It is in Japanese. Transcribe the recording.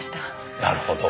なるほど。